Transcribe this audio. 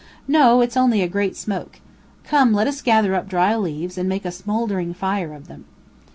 "No, it's only a great smoke. Come, let us gather up dry leaves and make a smoldering fire of them."